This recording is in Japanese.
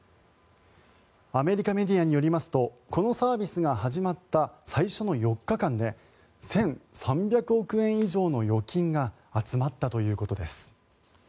アメリカメディアによりますとこのサービスが始まった最初の４日間で１３００億円以上の預金が集まったということです。